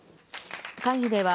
会議では、